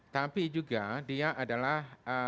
tapi juga dia adalah